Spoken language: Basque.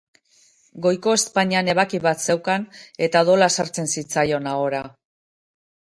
Goiko ezpainean ebaki bat zeukan eta odola sartzen zitzaion ahora.